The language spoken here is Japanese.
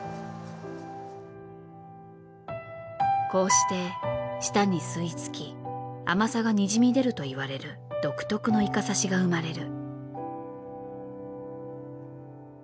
こうして舌に吸いつき甘さがにじみ出ると言われる独特のイカ刺しが生まれる。